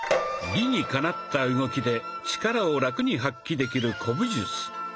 理にかなった動きで力をラクに発揮できる古武術。